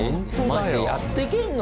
マジでやってけんの？